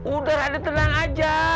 udah raden tenang aja